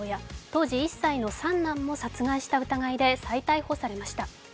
当時１歳の三男も殺害した疑いで再逮捕されました。